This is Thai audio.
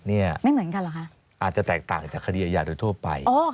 ไม่เหมือนกันเหรอคะอาจจะแตกต่างจากคดีอาญาโดยทั่วไป